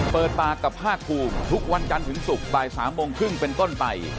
เปิดปากกับภาคภูมิทุกวันจันทร์ถึงศุกร์บ่าย๓โมงครึ่งเป็นต้นไป